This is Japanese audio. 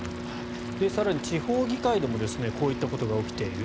更に地方議会でもこういったことが起きている。